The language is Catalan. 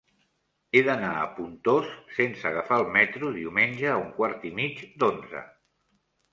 He d'anar a Pontós sense agafar el metro diumenge a un quart i mig d'onze.